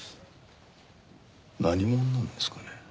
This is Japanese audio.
何者なんですかね？